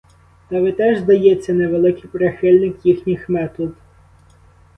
Та ви теж, здається, не великий прихильник їхніх метод?